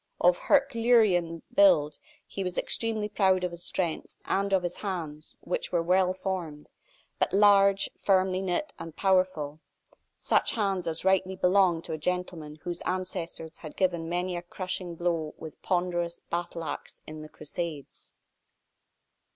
Of herculean build, he was extremely proud of his strength, and of his hands, which were well formed, but large, firmly knit and powerful, such hands as rightly belonged to a gentleman whose ancestors had given many a crushing blow with ponderous battle axe in the crusades.